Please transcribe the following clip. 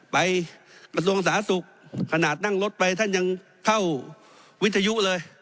กระทรวงสาธารณสุขขนาดนั่งรถไปท่านยังเข้าวิทยุเลย